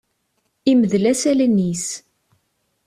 Imdel-as allen-is.